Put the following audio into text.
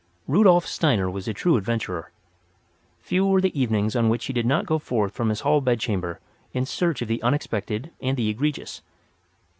Rudolf Steiner was a true adventurer. Few were the evenings on which he did not go forth from his hall bedchamber in search of the unexpected and the egregious.